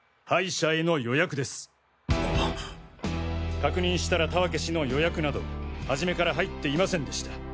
確認したら田分氏の予約など初めから入っていませんでした